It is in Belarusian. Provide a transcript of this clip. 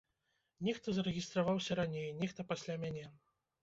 Нехта зарэгістраваўся раней, нехта пасля мяне.